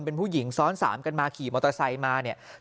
เป็นผู้หญิงซ้อนสามกันมาขี่มอเตอร์ไซค์มาเนี่ย